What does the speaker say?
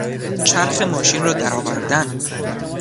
چرخ ماشین را درآوردن